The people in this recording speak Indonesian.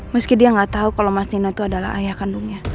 meski dia gak tau kalo mas nino itu adalah ayah kandungnya